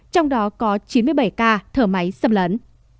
trong đó có chín mươi bảy ca thở máy xâm lấn